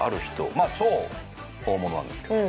まあ超大物なんですけど。